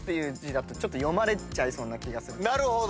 なるほど。